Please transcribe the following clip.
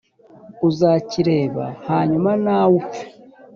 uzakireba, hanyuma nawe upfe.